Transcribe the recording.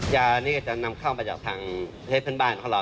ยานี่ก็จะนำเข้ามาจากทางประเทศเพื่อนบ้านของเรา